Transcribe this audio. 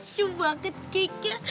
coba makan keknya